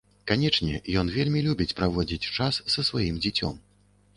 Канечне, ён вельмі любіць праводзіць час са сваім дзіцём.